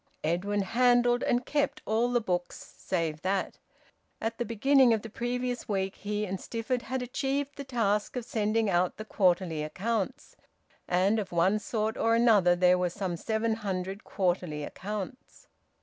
Edwin handled, and kept, all the books save that. At the beginning of the previous week he and Stifford had achieved the task of sending out the quarterly accounts, and of one sort or another there were some seven hundred quarterly accounts.